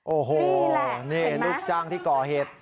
โอ้โหนี่ลูกจ้างที่ก่อเหตุ